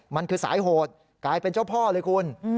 มันคือสายโหดกลายเป็นเจ้าพ่อเลยคุณ